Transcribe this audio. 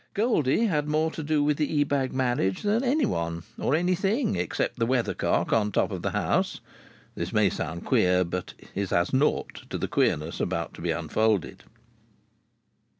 Goldie had more to do with the Ebag marriage than anyone or anything, except the weathercock on the top of the house. This may sound queer, but is as naught to the queerness about to be unfolded.